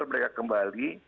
jadi mereka kembali